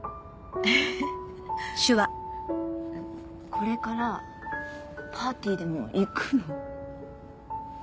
これからパーティーでも行くの？